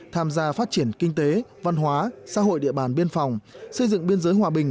tham gia phát triển kinh tế văn hóa xã hội địa bàn biên phòng xây dựng biên giới hòa bình